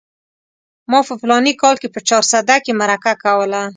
ما په فلاني کال کې په چارسده کې مرکه کوله.